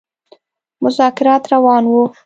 مذاکرات روان وه.